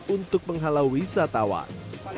untuk menghalau wisatawan